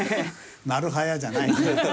なるはやじゃない。